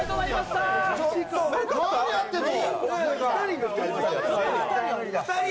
何やってんの！